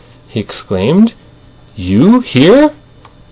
he exclaimed. "You here!"